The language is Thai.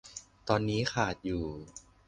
ตอนนี้ขาดอยู่